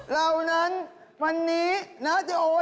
เรานั้นวันนี้๕ข้าว